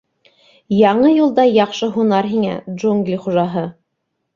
— Яңы юлда яҡшы һунар һиңә, Джунгли Хужаһы!